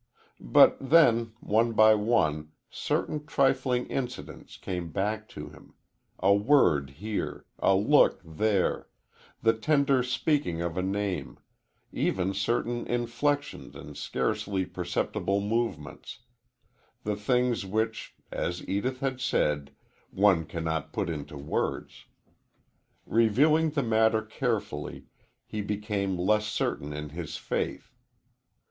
But then, one by one, certain trifling incidents came back to him a word here a look there the tender speaking of a name even certain inflections and scarcely perceptible movements the things which, as Edith had said, one cannot put into words. Reviewing the matter carefully, he became less certain in his faith.